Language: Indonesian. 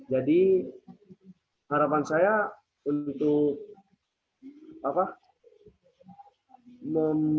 jadi harapan saya untuk apa